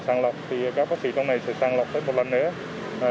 sàng lọc thì các bác sĩ trong này sẽ sàng lọc tới một lần nữa